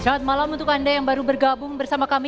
selamat malam untuk anda yang baru bergabung bersama kami